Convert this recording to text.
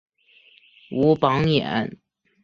武榜眼。